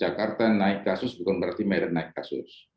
jakarta naik kasus bukan berarti medan naik kasus